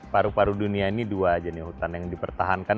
paru paru dunia ini dua aja nih hutan yang dipertahankan